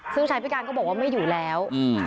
ซึ่งชายพิการก็บอกว่าไม่อยู่แล้ว